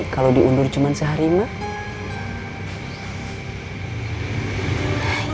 kalau undur seharian